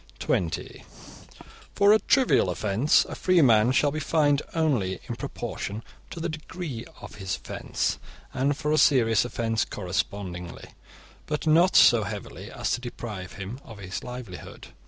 (20) For a trivial offence, a free man shall be fined only in proportion to the degree of his offence, and for a serious offence correspondingly, but not so heavily as to deprive him of his livelihood.